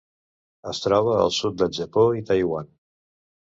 Es troba al sud del Japó i Taiwan.